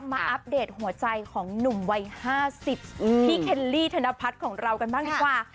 อัปเดตหัวใจของหนุ่มวัย๕๐พี่เคลลี่ธนพัฒน์ของเรากันบ้างดีกว่า